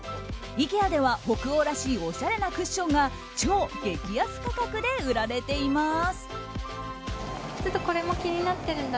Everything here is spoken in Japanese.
ＩＫＥＡでは北欧らしいおしゃれなクッションが超激安価格で売られています。